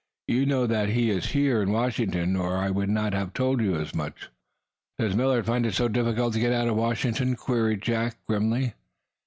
You know that he is here in Washington, or I would not have told you as much." "Does Millard find it so very difficult to get out of Washington?" queried Jack, grimly.